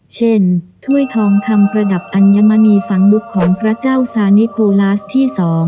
ถ้วยทองคำประดับอัญมณีฝังมุกของพระเจ้าสานิโกลาสที่๒